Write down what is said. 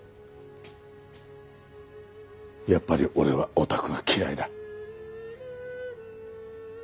やっぱり俺はオタクが嫌いだ。